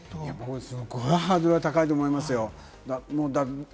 すごいハードル高いと思いますよ。